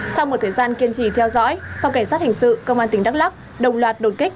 sau một thời gian kiên trì theo dõi phòng cảnh sát hình sự công an tỉnh đắk lắc đồng loạt đột kích